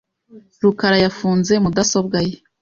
rukara yafunze mudasobwa ye .